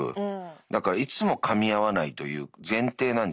だからいつもかみ合わないという前提なんじゃないのかな？